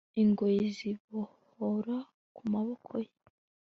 ingoyi zibohora ku maboko ye